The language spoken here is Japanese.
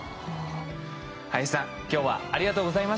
林さん今日はありがとうございました。